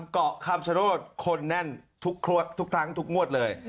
เกาะคำชโนธคนแน่นทุกครั้งทุกงวดเลย